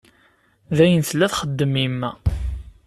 D ayen tella txeddem yemma.